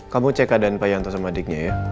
kamu cek keadaan pak yanto sama adeknya ya